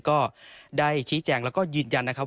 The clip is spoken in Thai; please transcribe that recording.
ก็ได้ชี้แจงแล้วก็ยืนยันนะครับ